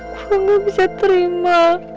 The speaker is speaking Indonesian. gue gak bisa terima